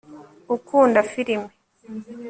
ukunda firime